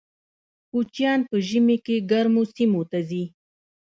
کوچیان په ژمي کې ګرمو سیمو ته ځي